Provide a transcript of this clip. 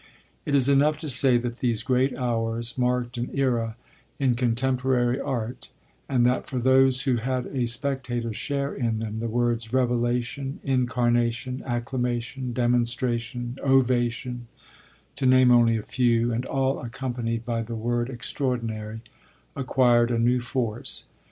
It is enough to say that these great hours marked an era in contemporary art and that for those who had a spectator's share in them the words "revelation," "incarnation," "acclamation," "demonstration," "ovation" to name only a few, and all accompanied by the word "extraordinary" acquired a new force.